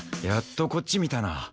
やっとこっち見たな。